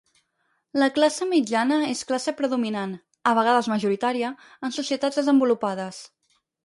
La classe mitjana és classe predominant -a vegades majoritària- en societats desenvolupades.